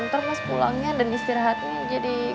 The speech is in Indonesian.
ntar mas pulangnya dan istirahatnya jadi